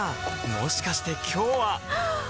もしかして今日ははっ！